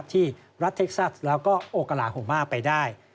ที่รัฐเท็กซัสแล้วก็โอกาลาโฮมาไปได้